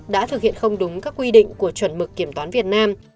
đã thực hiện không đúng các quy định của chuẩn mực kiểm toán việt nam